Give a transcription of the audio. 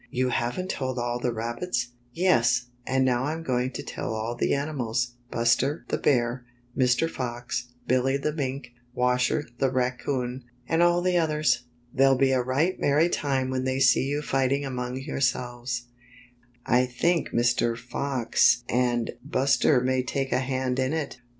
" You haven't told all the rabbits?" "Yes, and now I'm going to tell all the ani mals — Buster the Bear, Mr. Fox, Billy the Mink, Washer the Raccoon, and all the others. There'll be a right merry time when they see you fighting among yourselves. I think Mr. Fox The Work of Shrike the Butcher Bird 71 and Buster may take a hand in it.